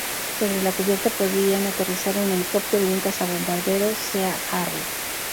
Sobre la cubierta podían aterrizar un helicóptero y un cazabombardero Sea Harrier.